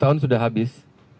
dua tahun sudah habis